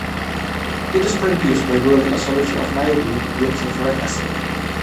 It is produced by boiling a solution of Nile blue with sulfuric acid.